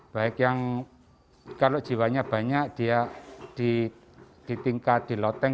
baik yang kalau jiwanya banyak dia ditingkat di loteng